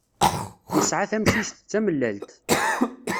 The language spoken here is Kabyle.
Yesεa tamcict d tamellalt.